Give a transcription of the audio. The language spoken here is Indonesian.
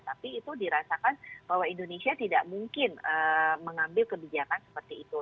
tapi itu dirasakan bahwa indonesia tidak mungkin mengambil kebijakan seperti itu